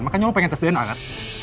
makanya gue pengen tes dna kan